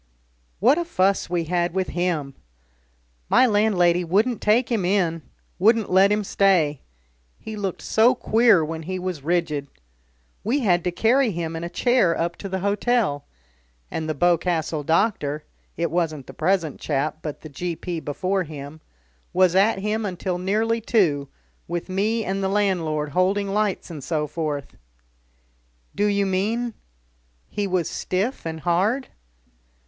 What a fuss we had with him! My landlady wouldn't take him in, wouldn't let him stay he looked so queer when he was rigid. We had to carry him in a chair up to the hotel. And the Boscastle doctor it wasn't the present chap, but the G.P. before him was at him until nearly two, with me and the landlord holding lights and so forth." "Do you mean he was stiff and hard?"